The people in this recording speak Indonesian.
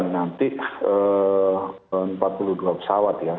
nanti empat puluh dua pesawat ya